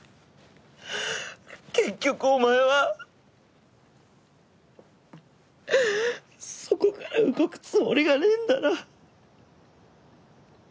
結局お前はそこから動くつもりがねぇんだな。